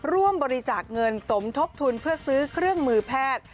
ร่วมบริจาคเงินสมทบทุนเพื่อซื้อเครื่องมือแพทย์